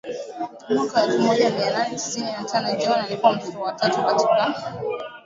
mwaka elfu moja mia nane tisini na tano John alikuwa mtoto wa tatu katika